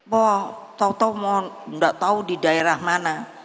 wah tau tau mau nggak tahu di daerah mana